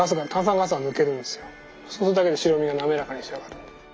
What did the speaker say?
そうするだけで白身がなめらかに仕上がるんで。